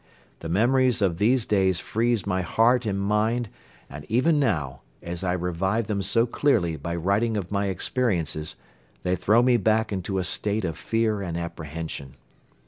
The memories of these days freeze my heart and mind and even now, as I revive them so clearly by writing of my experiences, they throw me back into a state of fear and apprehension.